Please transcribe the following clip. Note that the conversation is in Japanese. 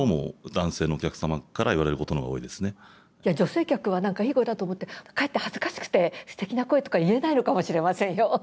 女性客は何かいい声だと思ってかえって恥ずかしくて「すてきな声」とか言えないのかもしれませんよ。